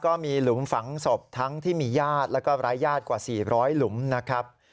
ก็มีหลุมฝังศพทั้งที่มีญาติแล้วก็ร้ายญาติกว่า๔๐๐หลุมนะครับ